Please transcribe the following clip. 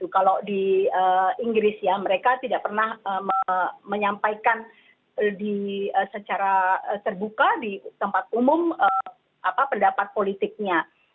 kalau di inggris ya mereka tidak pernah menyampaikan secara terbuka di tempat umum pendapat politiknya